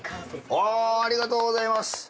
ありがとうございます。